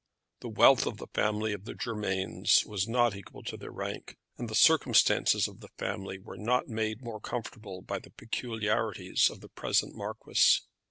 The wealth of the family of the Germains was not equal to their rank, and the circumstances of the family were not made more comfortable by the peculiarities of the present marquis.